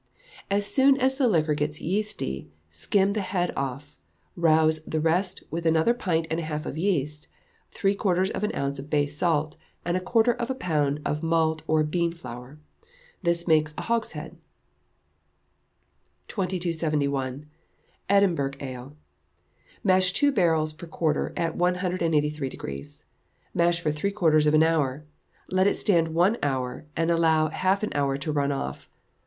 As soon as the liquor gets yeasty, skim the head half off; rouse the rest with another pint and a half of yeast, three quarters of an ounce of bay salt, and a quarter of a pound of malt or bean flour. This makes a hogshead. 2271. Edinburgh Ale. Mash two barrels per quarter, at 183°; mash for three quarters of an hour; let it stand one hour, and allow half an hour to run off.